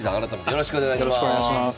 よろしくお願いします。